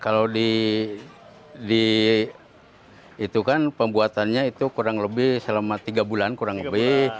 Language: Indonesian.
kalau itu kan pembuatannya itu kurang lebih selama tiga bulan kurang lebih